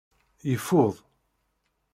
Yeffud.